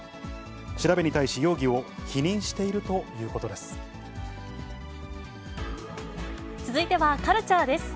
調べに対し、容疑を否認している続いてはカルチャーです。